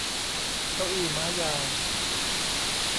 เก้าอี้ม้ายาว